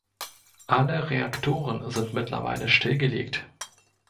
Alle Reaktoren sind mittlerweile stillgelegt.